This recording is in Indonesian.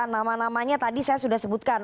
nama namanya tadi saya sudah sebutkan